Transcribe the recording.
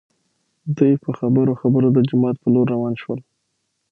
دوي په خبرو خبرو د جومات په لور راوان شول.